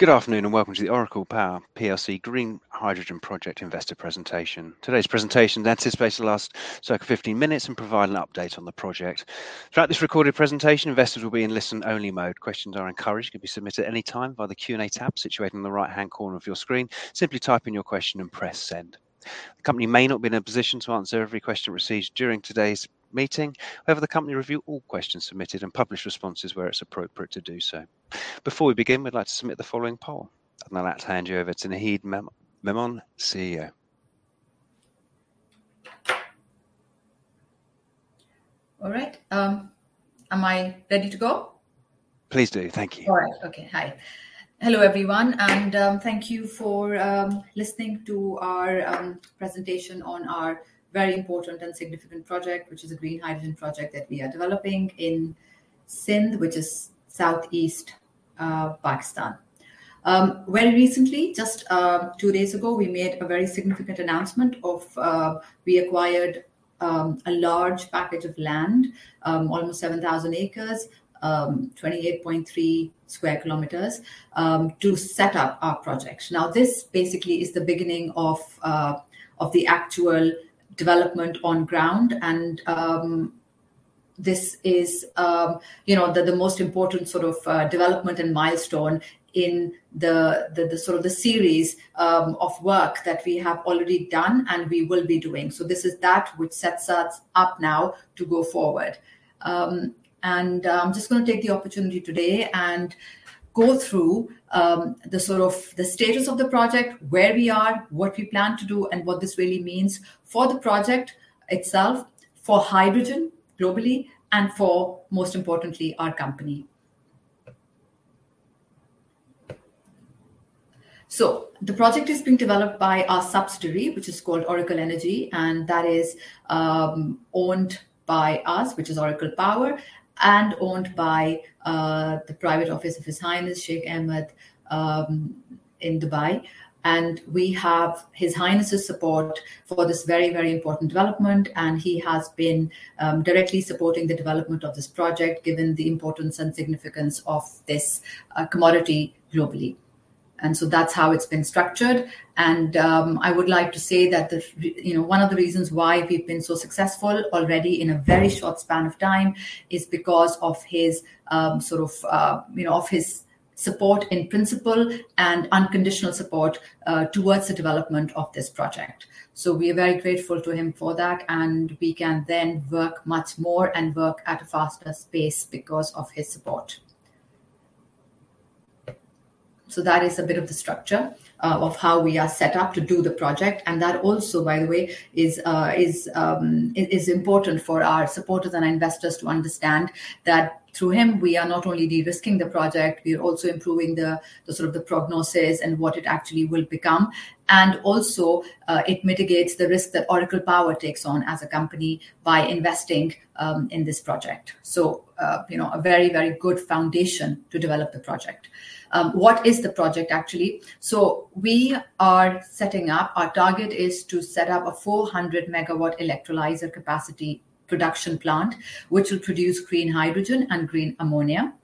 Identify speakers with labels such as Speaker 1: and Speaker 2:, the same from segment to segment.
Speaker 1: Good afternoon and welcome to the Oracle Power PLC Green Hydrogen Project Investor Presentation. Today's presentation is anticipated to last circa 15 minutes and provide an update on the project. Throughout this recorded presentation, investors will be in listen-only mode. Questions are encouraged and can be submitted any time via the Q&A tab situated in the right-hand corner of your screen. Simply type in your question and press send. The company may not be in a position to answer every question received during today's meeting. However, the company reviews all questions submitted and publishes responses where it's appropriate to do so. Before we begin, we'd like to submit the following poll. I'd like to hand you over to Naheed Memon, CEO.
Speaker 2: All right. Am I ready to go?
Speaker 1: Please do. Thank you.
Speaker 2: All right. Okay. Hi. Hello, everyone, and thank you for listening to our presentation on our very important and significant project, which is a green hydrogen project that we are developing in Sindh, which is southeast Pakistan. Very recently, just two days ago, we made a very significant announcement of we acquired a large package of land, almost 7,000 acres, 28.3 square kilometers, to set up our project. Now, this basically is the beginning of the actual development on ground and this is, you know, the most important sort of development and milestone in the sort of the series of work that we have already done and we will be doing. This is that which sets us up now to go forward. I'm just gonna take the opportunity today and go through sort of the status of the project, where we are, what we plan to do, and what this really means for the project itself, for hydrogen globally and, most importantly, our company. The project is being developed by our subsidiary, which is called Oracle Energy, and that is owned by us, which is Oracle Power, and owned by the private office of His Highness Sheikh Ahmed in Dubai. We have His Highness's support for this very, very important development, and he has been directly supporting the development of this project, given the importance and significance of this commodity globally. That's how it's been structured and, I would like to say that the, you know, one of the reasons why we've been so successful already in a very short span of time is because of his sort of, you know, of his support in principle and unconditional support towards the development of this project. We are very grateful to him for that, and we can then work much more and work at a faster pace because of his support. That is a bit of the structure of how we are set up to do the project. That also, by the way, is important for our supporters and investors to understand that through him, we are not only de-risking the project, we are also improving the sort of prognosis and what it actually will become. It mitigates the risk that Oracle Power takes on as a company by investing in this project. You know, a very, very good foundation to develop the project. What is the project actually? We are setting up. Our target is to set up a 400 MW electrolyzer capacity production plant, which will produce green hydrogen and green ammonia,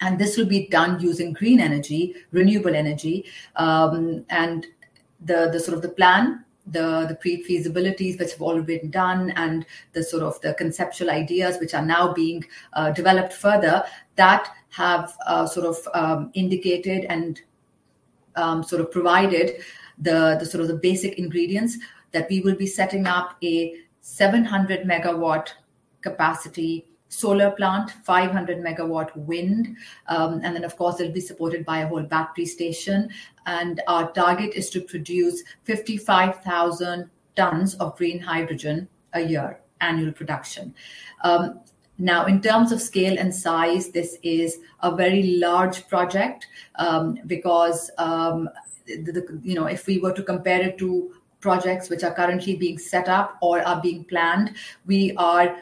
Speaker 2: and this will be done using green energy, renewable energy, and the sort of plan, the pre-feasibilities that have all been done and the sort of conceptual ideas which are now being developed further that have sort of indicated and sort of provided the sort of basic ingredients that we will be setting up a 700 MW capacity solar plant, 500 MW wind, and then of course it'll be supported by a whole battery station. Our target is to produce 55,000 tons of green hydrogen a year, annual production. Now in terms of scale and size, this is a very large project, because you know, if we were to compare it to projects which are currently being set up or are being planned, we are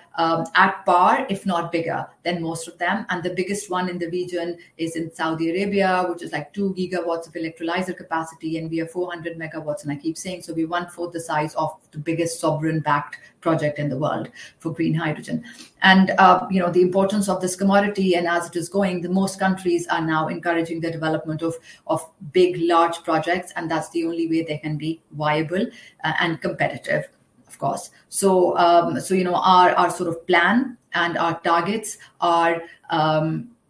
Speaker 2: at par, if not bigger than most of them. The biggest one in the region is in Saudi Arabia, which is like 2 GW of electrolyzer capacity, and we are 400 MW. I keep saying, so we're one-fourth the size of the biggest sovereign-backed project in the world for green hydrogen. You know, the importance of this commodity and as it is going, the most countries are now encouraging the development of big, large projects, and that's the only way they can be viable and competitive, of course. You know, our sort of plan and our targets are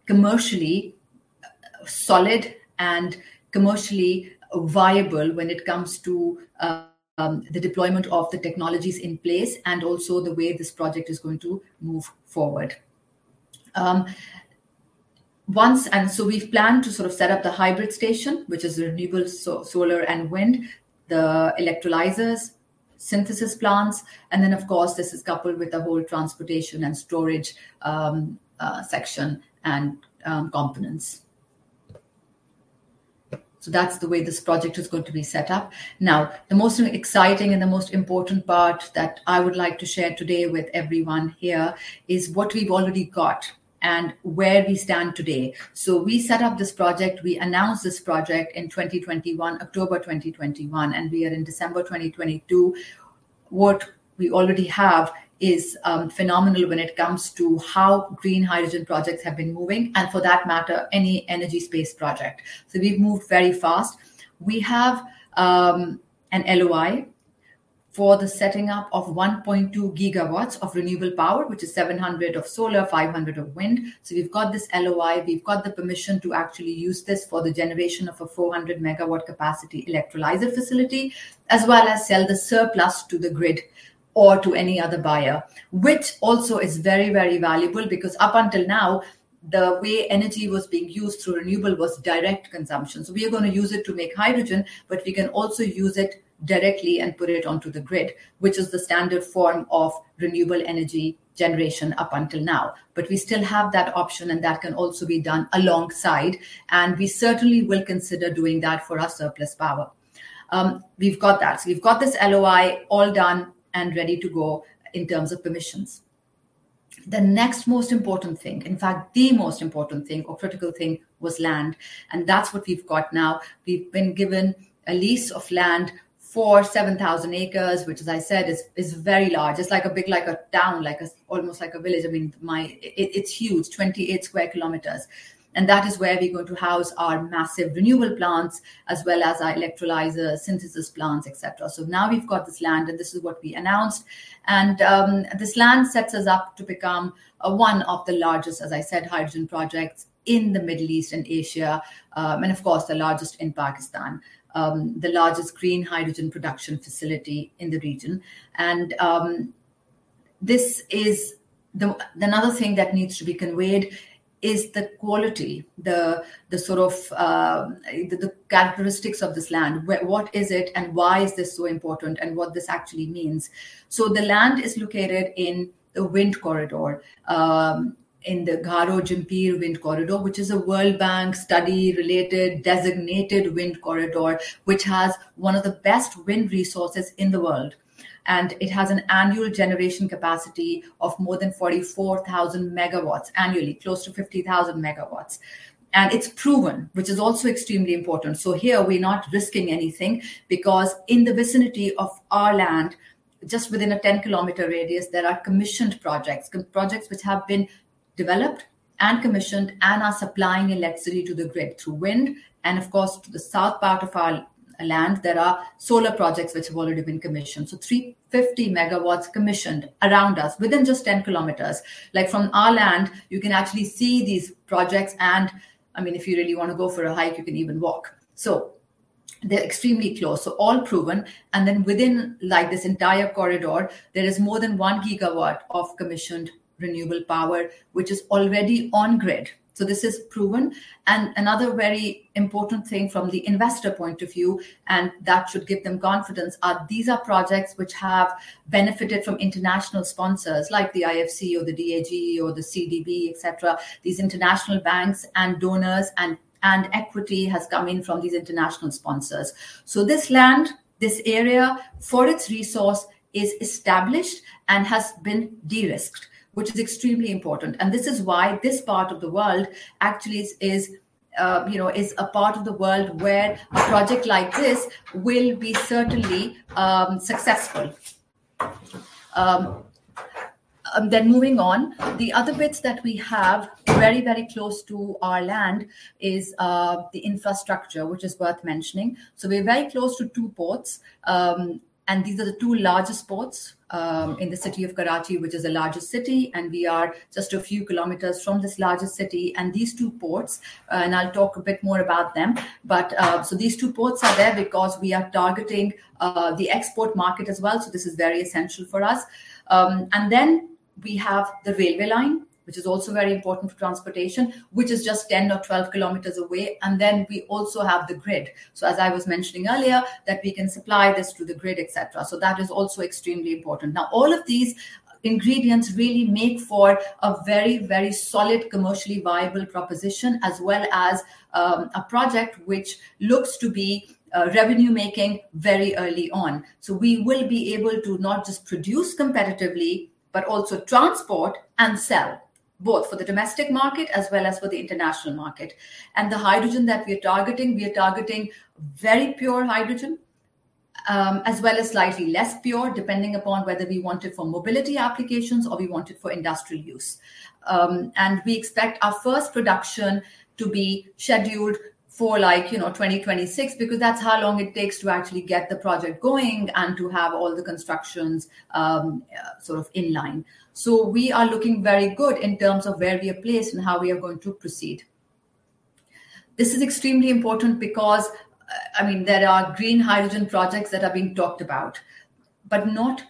Speaker 2: commercially solid and commercially viable when it comes to the deployment of the technologies in place and also the way this project is going to move forward. We've planned to sort of set up the hybrid station, which is renewable solar and wind, the electrolyzers, synthesis plants, and then of course this is coupled with the whole transportation and storage section and components. That's the way this project is going to be set up. Now, the most exciting and the most important part that I would like to share today with everyone here is what we've already got and where we stand today. We set up this project, we announced this project in 2021, October 2021, and we are in December 2022. What we already have is phenomenal when it comes to how green hydrogen projects have been moving and for that matter, any energy space project. We've moved very fast. We have an LOI for the setting up of 1.2 gigawatts of renewable power, which is 700 of solar, 500 of wind. We've got this LOI. We've got the permission to actually use this for the generation of a 400-megawatt capacity electrolyzer facility, as well as sell the surplus to the grid or to any other buyer, which also is very, very valuable because up until now, the way energy was being used through renewable was direct consumption. We are gonna use it to make hydrogen, but we can also use it directly and put it onto the grid, which is the standard form of renewable energy generation up until now. We still have that option, and that can also be done alongside, and we certainly will consider doing that for our surplus power. We've got that. We've got this LOI all done and ready to go in terms of permissions. The next most important thing, in fact, the most important thing or critical thing was land, and that's what we've got now. We've been given a lease of land for 7,000 acres, which, as I said, is very large. It's like a big, like a town, like almost like a village. I mean, it's huge, 28 square kilometers. That is where we're going to house our massive renewable plants as well as our electrolyzer synthesis plants, et cetera. Now we've got this land, and this is what we announced. This land sets us up to become one of the largest, as I said, hydrogen projects in the Middle East and Asia, and of course, the largest in Pakistan. The largest green hydrogen production facility in the region. Another thing that needs to be conveyed is the quality, the sort of characteristics of this land. What is it and why is this so important and what this actually means. The land is located in the wind corridor, in the Gharo-Jhimpir wind corridor, which is a World Bank study related designated wind corridor, which has one of the best wind resources in the world. It has an annual generation capacity of more than 44,000 megawatts annually, close to 50,000 megawatts. It's proven, which is also extremely important. Here we're not risking anything because in the vicinity of our land, just within a 10-kilometer radius, there are commissioned projects. Projects which have been developed and commissioned and are supplying electricity to the grid through wind. Of course, to the south part of our land, there are solar projects which have already been commissioned. 350 megawatts commissioned around us within just 10 kilometers. Like, from our land, you can actually see these projects and, I mean, if you really wanna go for a hike, you can even walk. They're extremely close. All proven, and then within, like, this entire corridor, there is more than 1 gigawatt of commissioned renewable power, which is already on grid. This is proven. Another very important thing from the investor point of view, and that should give them confidence, are these projects which have benefited from international sponsors like the IFC or the DEG or the CDB, et cetera. These international banks and donors and equity has come in from these international sponsors. This land, this area, for its resource, is established and has been de-risked, which is extremely important. This is why this part of the world actually is, you know, is a part of the world where a project like this will be certainly successful. Moving on. The other bits that we have very close to our land is the infrastructure, which is worth mentioning. We're very close to two ports, and these are the two largest ports in the city of Karachi, which is the largest city, and we are just a few kilometers from this largest city and these two ports. I'll talk a bit more about them. These two ports are there because we are targeting the export market as well, this is very essential for us. We have the railway line, which is also very important for transportation, which is just 10 or 12 kilometers away. We also have the grid. As I was mentioning earlier, that we can supply this to the grid, et cetera. That is also extremely important. Now, all of these ingredients really make for a very, very solid, commercially viable proposition as well as a project which looks to be revenue making very early on. We will be able to not just produce competitively but also transport and sell, both for the domestic market as well as for the international market. The hydrogen that we are targeting, we are targeting very pure hydrogen as well as slightly less pure, depending upon whether we want it for mobility applications or we want it for industrial use. We expect our first production to be scheduled for, like, you know, 2026 because that's how long it takes to actually get the project going and to have all the constructions sort of in line. We are looking very good in terms of where we are placed and how we are going to proceed. This is extremely important because, I mean, there are green hydrogen projects that are being talked about, but not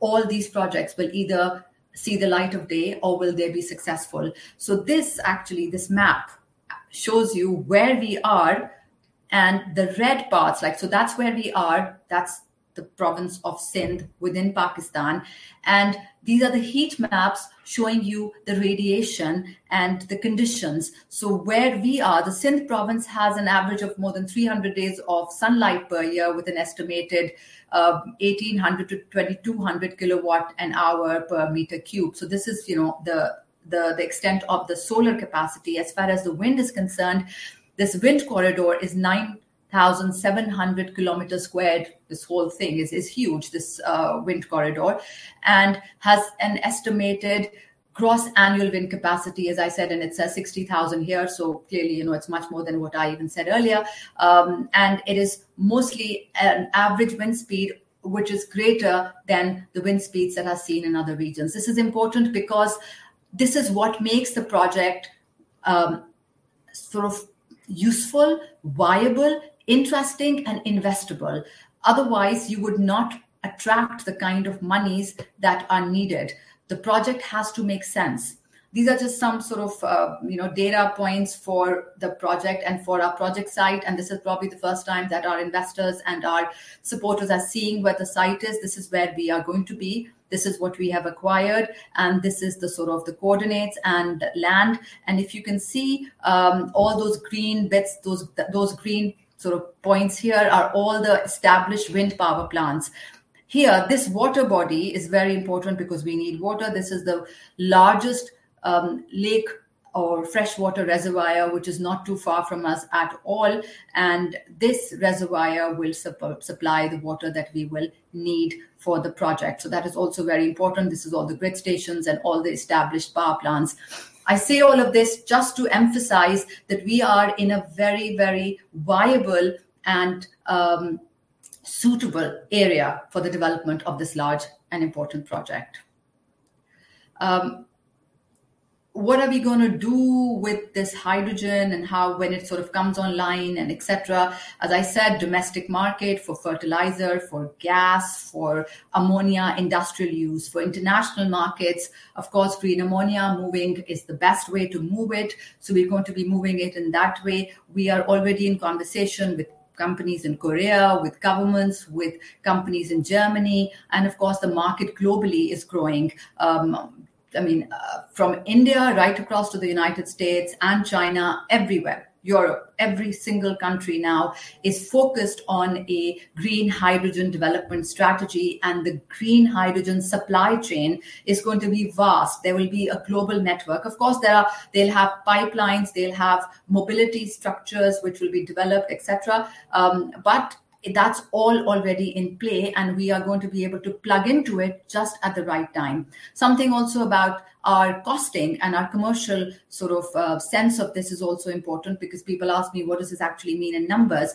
Speaker 2: all these projects will either see the light of day or will they be successful. This actually, this map shows you where we are, and the red parts, like, so that's where we are. That's the province of Sindh within Pakistan. These are the heat maps showing you the radiation and the conditions. Where we are, the Sindh province has an average of more than 300 days of sunlight per year with an estimated 1,800-2,200 kWh per square meter. This is the extent of the solar capacity. As far as the wind is concerned, this wind corridor is 9,700 square kilometers. This whole thing is huge, this wind corridor, and has an estimated gross annual wind capacity, as I said, and it says 60,000 here. Clearly, it's much more than what I even said earlier. And it is mostly an average wind speed which is greater than the wind speeds that are seen in other regions. This is important because this is what makes the project sort of useful, viable, interesting, and investable. Otherwise, you would not attract the kind of monies that are needed. The project has to make sense. These are just some sort of, you know, data points for the project and for our project site, and this is probably the first time that our investors and our supporters are seeing where the site is. This is where we are going to be. This is what we have acquired, and this is the sort of the coordinates and land. If you can see, all those green bits, those green sort of points here are all the established wind power plants. Here, this water body is very important because we need water. This is the largest lake or freshwater reservoir, which is not too far from us at all, and this reservoir will supply the water that we will need for the project. That is also very important. This is all the grid stations and all the established power plants. I say all of this just to emphasize that we are in a very, very viable and suitable area for the development of this large and important project. What are we gonna do with this hydrogen and how when it sort of comes online and et cetera? As I said, domestic market for fertilizer, for gas, for ammonia industrial use. For international markets, of course, Green ammonia moving is the best way to move it. We're going to be moving it in that way. We are already in conversation with companies in Korea, with governments, with companies in Germany, and of course, the market globally is growing. I mean from India right across to the United States and China, everywhere, Europe. Every single country now is focused on a green hydrogen development strategy, and the green hydrogen supply chain is going to be vast. There will be a global network. Of course, they'll have pipelines, they'll have mobility structures which will be developed, et cetera. But that's all already in play, and we are going to be able to plug into it just at the right time. Something also about our costing and our commercial sort of, sense of this is also important because people ask me, "What does this actually mean in numbers?"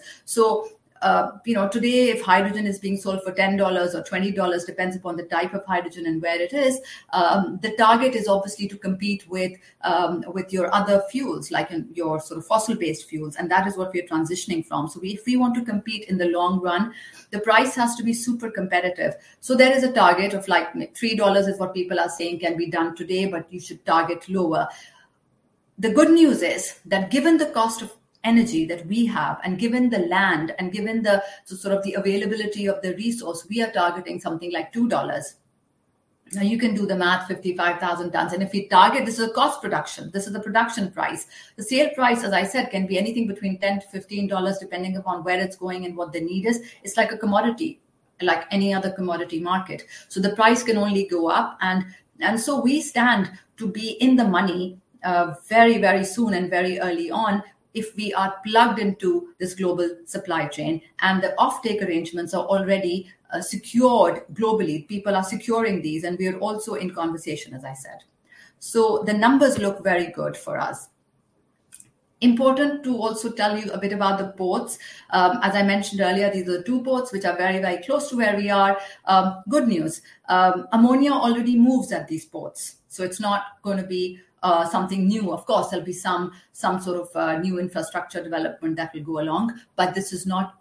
Speaker 2: You know, today, if hydrogen is being sold for $10 or $20, depends upon the type of hydrogen and where it is, the target is obviously to compete with your other fuels, like your sort of fossil-based fuels, and that is what we're transitioning from. If we want to compete in the long run, the price has to be super competitive. There is a target of like, $3 is what people are saying can be done today, but you should target lower. The good news is that given the cost of energy that we have, and given the land, and given the sort of the availability of the resource, we are targeting something like $2. Now, you can do the math, 55,000 tons. If we target this is a cost production. This is the production price. The sale price, as I said, can be anything between $10-$15, depending upon where it's going and what the need is. It's like a commodity, like any other commodity market. The price can only go up and so we stand to be in the money very very soon and very early on if we are plugged into this global supply chain. The offtake arrangements are already secured globally. People are securing these, and we are also in conversation, as I said. The numbers look very good for us. Important to also tell you a bit about the ports. As I mentioned earlier, these are the two ports which are very very close to where we are. Good news. Ammonia already moves at these ports, so it's not gonna be something new. Of course, there'll be some sort of new infrastructure development that will go along, but this is not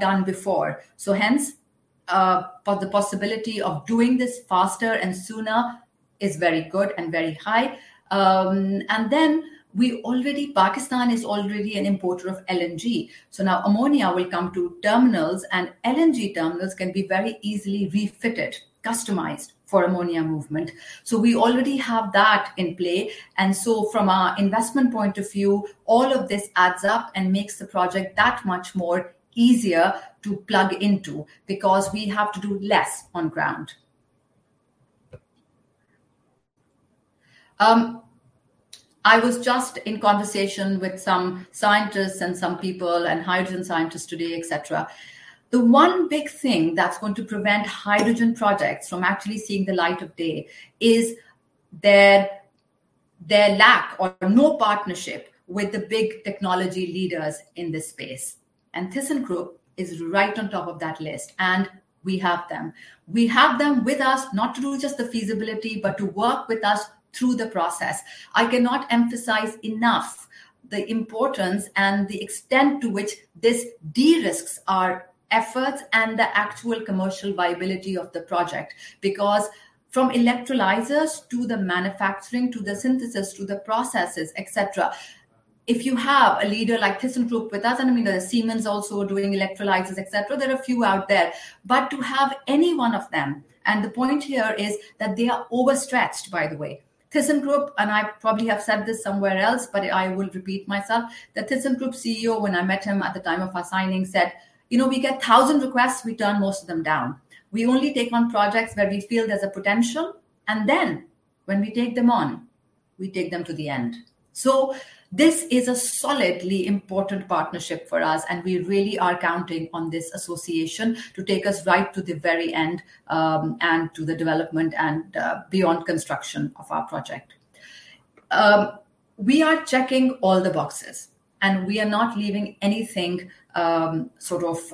Speaker 2: done before. For the possibility of doing this faster and sooner is very good and very high. Pakistan is already an importer of LNG. Now ammonia will come to terminals, and LNG terminals can be very easily refitted, customized for ammonia movement. We already have that in play. From our investment point of view, all of this adds up and makes the project that much more easier to plug into because we have to do less on ground. I was just in conversation with some scientists and some people and hydrogen scientists today, et cetera. The one big thing that's going to prevent hydrogen projects from actually seeing the light of day is their lack or no partnership with the big technology leaders in this space. ThyssenKrupp is right on top of that list, and we have them. We have them with us not to do just the feasibility, but to work with us through the process. I cannot emphasize enough the importance and the extent to which this de-risks our efforts and the actual commercial viability of the project because from electrolyzers to the manufacturing, to the synthesis, to the processes, et cetera, if you have a leader like ThyssenKrupp with us, and I mean, there's Siemens also doing electrolyzers, et cetera. There are a few out there. But to have any one of them, and the point here is that they are overstretched, by the way. I probably have said this somewhere else, but I will repeat myself. The ThyssenKrupp CEO, when I met him at the time of our signing, said, "You know, we get 1,000 requests, we turn most of them down. We only take on projects where we feel there's a potential, and then when we take them on, we take them to the end." This is a solidly important partnership for us, and we really are counting on this association to take us right to the very end, and to the development and beyond construction of our project. We are checking all the boxes, and we are not leaving anything, sort of,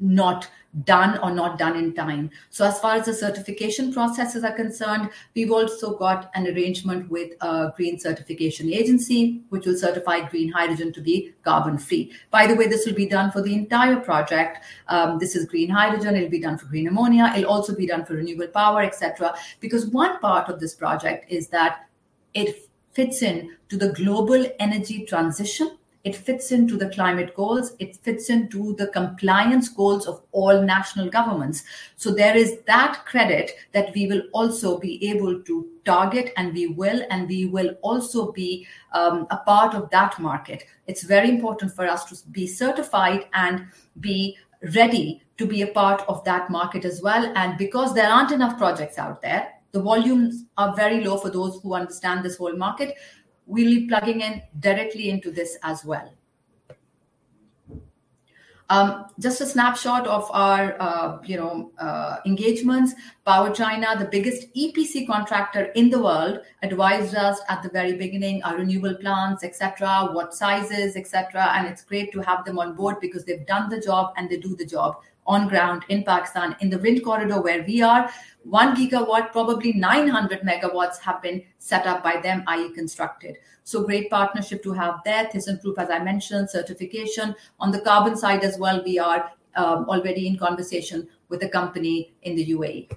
Speaker 2: not done or not done in time. As far as the certification processes are concerned, we've also got an arrangement with a green certification agency which will certify green hydrogen to be carbon free. By the way, this will be done for the entire project. This is Green hydrogen. It'll be done for Green ammonia. It'll also be done for renewable power, et cetera, because one part of this project is that it fits into the global energy transition, it fits into the climate goals, it fits into the compliance goals of all national governments. There is that credit that we will also be able to target, and we will, and we will also be a part of that market. It's very important for us to be certified and be ready to be a part of that market as well and because there aren't enough projects out there, the volumes are very low for those who understand this whole market, we'll be plugging in directly into this as well. Just a snapshot of our, you know, engagements. PowerChina, the biggest EPC contractor in the world, advised us at the very beginning our renewable plans, et cetera, what sizes, et cetera, and it's great to have them on board because they've done the job, and they do the job on the ground in Pakistan. In the wind corridor where we are, 1 gigawatt, probably 900 megawatts have been set up by them, i.e. constructed. Great partnership to have there. ThyssenKrupp, as I mentioned. Certification. On the carbon side as well, we are already in conversation with a company in the UAE.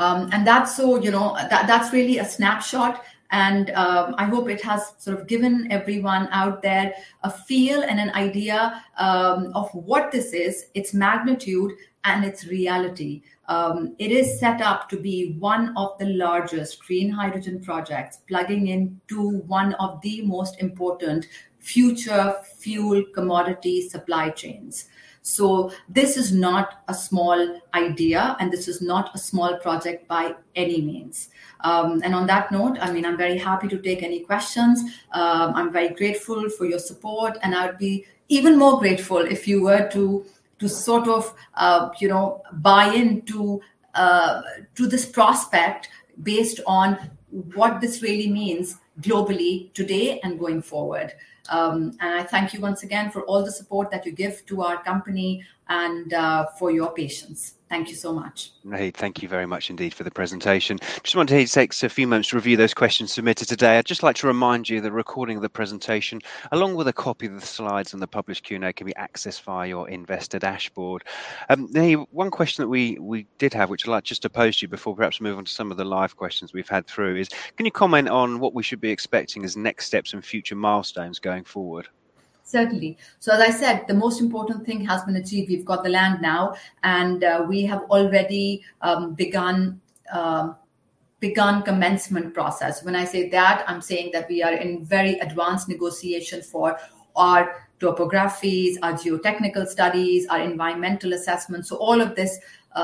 Speaker 2: And that's so, you know. That, that's really a snapshot, and I hope it has sort of given everyone out there a feel and an idea of what this is, its magnitude, and its reality. It is set up to be one of the largest green hydrogen projects plugging into one of the most important future fuel commodity supply chains. This is not a small idea, and this is not a small project by any means. On that note, I mean, I'm very happy to take any questions. I'm very grateful for your support, and I would be even more grateful if you were to sort of, you know, buy into this prospect based on what this really means globally today and going forward. I thank you once again for all the support that you give to our company and for your patience. Thank you so much.
Speaker 1: Naheed, thank you very much indeed for the presentation. Just want to take a few moments to review those questions submitted today. I'd just like to remind you the recording of the presentation, along with a copy of the slides and the published Q&A, can be accessed via your investor dashboard. Naheed, one question that we did have, which I'd like just to pose to you before perhaps moving on to some of the live questions we've had through is, can you comment on what we should be expecting as next steps and future milestones going forward?
Speaker 2: Certainly. As I said, the most important thing has been achieved. We've got the land now, and we have already begun commencement process. When I say that, I'm saying that we are in very advanced negotiations for our topographies, our geotechnical studies, our environmental assessments. All of this,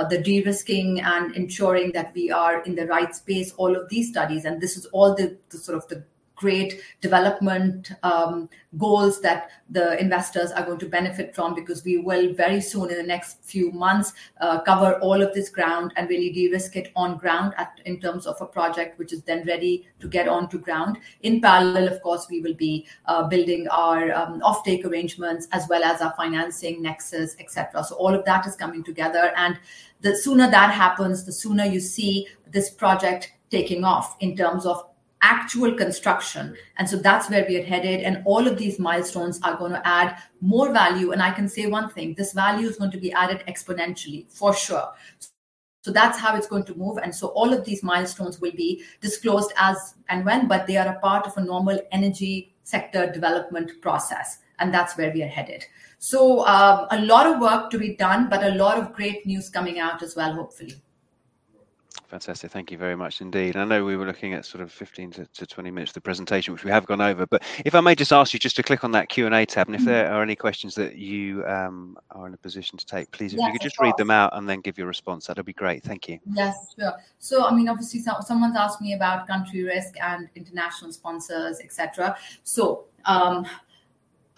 Speaker 2: the de-risking and ensuring that we are in the right space, all of these studies, and this is all the sort of the great development goals that the investors are going to benefit from because we will very soon in the next few months, cover all of this ground and really de-risk it on ground in terms of a project which is then ready to get onto ground. In parallel, of course, we will be building our offtake arrangements as well as our financing nexus, et cetera. All of that is coming together, and the sooner that happens, the sooner you see this project taking off in terms of actual construction. That's where we are headed, and all of these milestones are gonna add more value. I can say one thing, this value is going to be added exponentially for sure. That's how it's going to move, and so all of these milestones will be disclosed as and when, but they are a part of a normal energy sector development process, and that's where we are headed. A lot of work to be done, but a lot of great news coming out as well, hopefully.
Speaker 1: Fantastic. Thank you very much indeed. I know we were looking at sort of 15-20 minutes for the presentation, which we have gone over. If I may just ask you just to click on that Q&A tab, and if there are any questions that you are in a position to take, please.
Speaker 2: Yes, of course.
Speaker 1: If you could just read them out and then give your response, that'd be great. Thank you.
Speaker 2: Yes, sure. I mean, obviously someone's asked me about country risk and international sponsors, et cetera.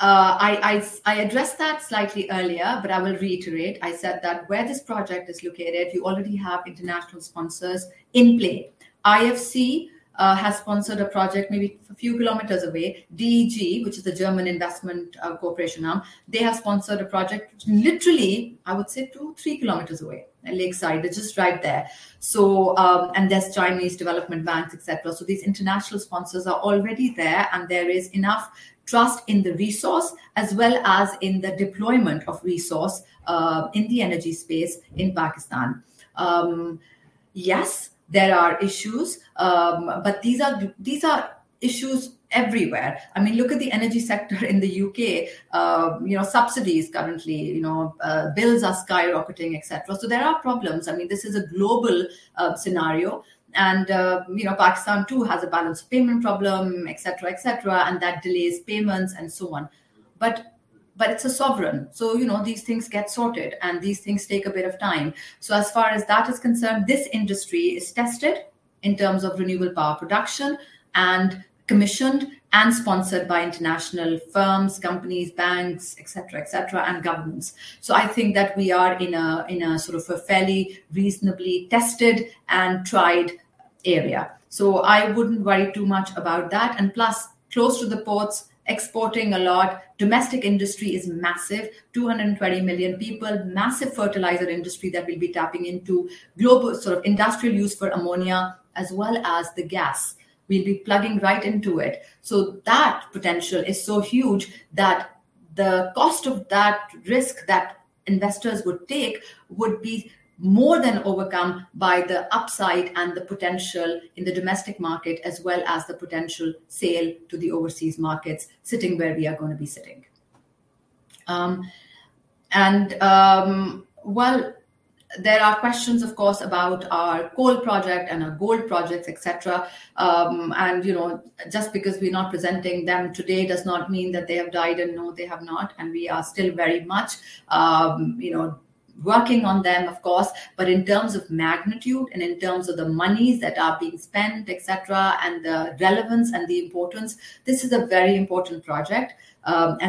Speaker 2: I addressed that slightly earlier, but I will reiterate. I said that where this project is located, you already have international sponsors in play. IFC has sponsored a project maybe a few kilometers away. DEG, which is the German investment corporation arm, they have sponsored a project literally, I would say, two, three kilometers away, lakeside. They're just right there. There's Chinese development banks, et cetera. These international sponsors are already there, and there is enough trust in the resource as well as in the deployment of resource in the energy space in Pakistan. Yes, there are issues, but these are issues everywhere. I mean, look at the energy sector in the UK. You know, subsidies currently. You know, bills are skyrocketing, et cetera. There are problems. I mean, this is a global scenario and, you know, Pakistan too has a balance of payments problem, et cetera, et cetera, and that delays payments and so on. But it's a sovereign, so, you know, these things get sorted, and these things take a bit of time. As far as that is concerned, this industry is tested in terms of renewable power production and commissioned and sponsored by international firms, companies, banks, et cetera, et cetera, and governments. I think that we are in a sort of fairly reasonably tested and tried area. I wouldn't worry too much about that. Plus, close to the ports, exporting a lot. Domestic industry is massive. 220 million people. Massive fertilizer industry that we'll be tapping into. Global sort of industrial use for ammonia as well as the gas. We'll be plugging right into it. That potential is so huge that the cost of that risk that investors would take would be more than overcome by the upside and the potential in the domestic market, as well as the potential sale to the overseas markets sitting where we are gonna be sitting. There are questions of course about our coal project and our gold projects, et cetera. You know, just because we're not presenting them today does not mean that they have died. No, they have not, and we are still very much, you know, working on them, of course. In terms of magnitude and in terms of the monies that are being spent, et cetera, and the relevance and the importance, this is a very important project.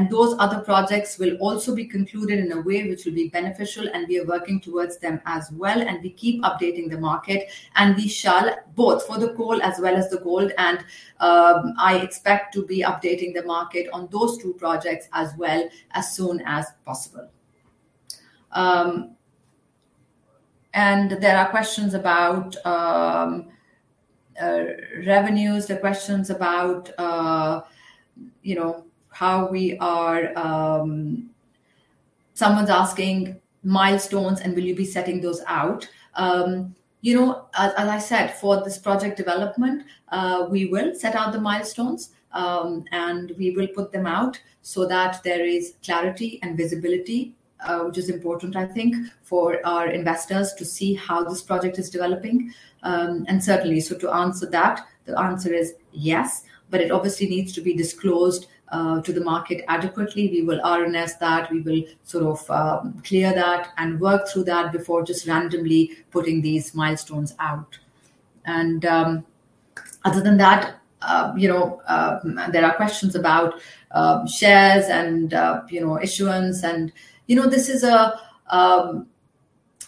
Speaker 2: Those other projects will also be concluded in a way which will be beneficial, and we are working towards them as well. We keep updating the market, and we shall both for the coal as well as the gold, and I expect to be updating the market on those two projects as well as soon as possible. There are questions about revenues. There are questions about how we are. Someone's asking milestones and will you be setting those out. You know, as I said, for this project development, we will set out the milestones, and we will put them out so that there is clarity and visibility, which is important, I think, for our investors to see how this project is developing. Certainly, to answer that, the answer is yes. It obviously needs to be disclosed to the market adequately. We will RNS that. We will sort of clear that and work through that before just randomly putting these milestones out. Other than that, you know, there are questions about shares and, you know, issuance. You know, this is a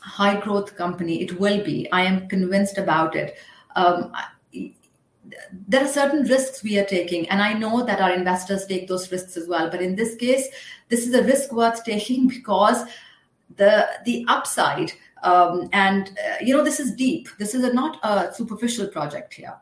Speaker 2: high growth company. It will be. I am convinced about it. There are certain risks we are taking, and I know that our investors take those risks as well. In this case, this is a risk worth taking because the upside, you know, this is deep. This is not a superficial project here.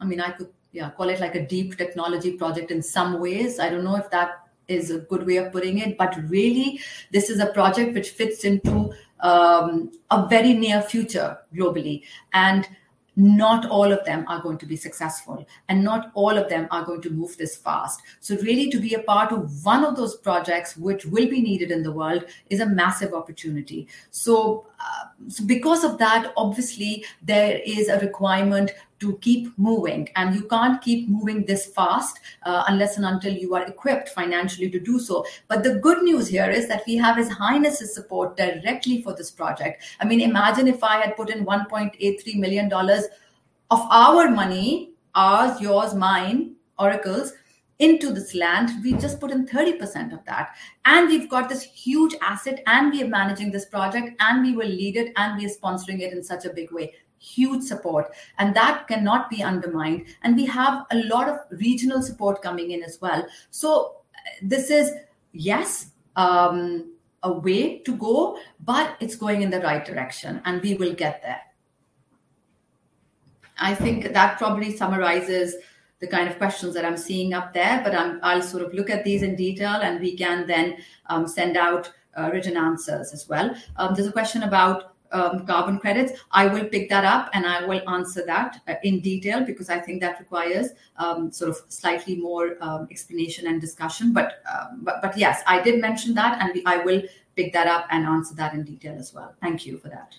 Speaker 2: I mean, I could, yeah, call it like a deep technology project in some ways. I don't know if that is a good way of putting it. Really, this is a project which fits into a very near future globally, and not all of them are going to be successful, and not all of them are going to move this fast. Really to be a part of one of those projects which will be needed in the world is a massive opportunity. Because of that, obviously there is a requirement to keep moving, and you can't keep moving this fast, unless and until you are equipped financially to do so. The good news here is that we have His Highness's support directly for this project. I mean, imagine if I had put in $1.83 million of our money, ours, yours, mine, Oracle's, into this land. We just put in 30% of that, and we've got this huge asset, and we are managing this project, and we will lead it, and we are sponsoring it in such a big way. Huge support, and that cannot be undermined. We have a lot of regional support coming in as well. This is, yes, a way to go, but it's going in the right direction, and we will get there. I think that probably summarizes the kind of questions that I'm seeing up there, but I'm. I'll sort of look at these in detail, and we can then send out written answers as well. There's a question about carbon credits. I will pick that up, and I will answer that in detail because I think that requires sort of slightly more explanation and discussion. Yes, I did mention that, and I will pick that up and answer that in detail as well. Thank you for that.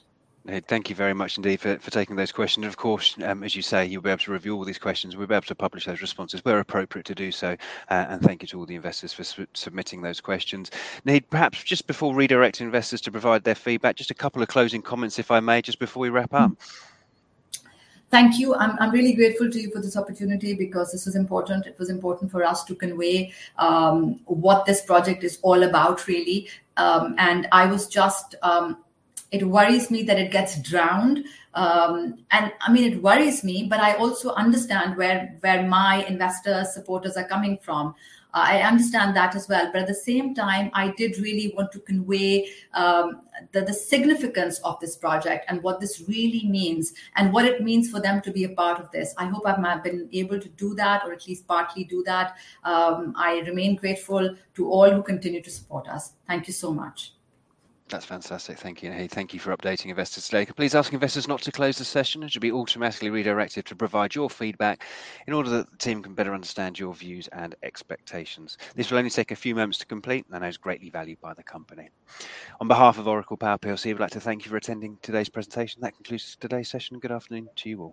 Speaker 1: Thank you very much indeed for taking those questions. Of course, as you say, you'll be able to review all these questions. We'll be able to publish those responses where appropriate to do so. Thank you to all the investors for submitting those questions. Naheed, perhaps just before redirecting investors to provide their feedback, just a couple of closing comments if I may just before we wrap up.
Speaker 2: Thank you. I'm really grateful to you for this opportunity because this was important. It was important for us to convey what this project is all about really. It worries me that it gets drowned. I mean, it worries me, but I also understand where my investor supporters are coming from. I understand that as well. At the same time, I did really want to convey the significance of this project and what this really means and what it means for them to be a part of this. I hope I've been able to do that or at least partly do that. I remain grateful to all who continue to support us. Thank you so much.
Speaker 1: That's fantastic. Thank you, Naheed. Thank you for updating investors today. Could I please ask investors not to close the session, as you'll be automatically redirected to provide your feedback in order that the team can better understand your views and expectations. This will only take a few moments to complete, and I know it's greatly valued by the company. On behalf of Oracle Power PLC, we'd like to thank you for attending today's presentation. That concludes today's session. Good afternoon to you all.